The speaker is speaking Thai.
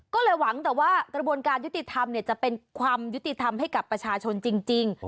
ก็เลยหวังแต่ว่ากระบวนการยุติธรรมจะเป็นความยุติธรรมให้กับประชาชนจริง